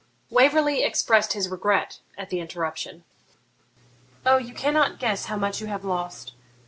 Waverley expressed his regret at the interruption. 'O you cannot guess how much you have lost!